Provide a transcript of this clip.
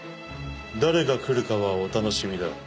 誰が来るかはお楽しみだ。